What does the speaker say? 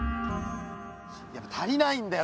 やっぱ足りないんだよ